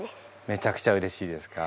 めちゃくちゃうれしいですか。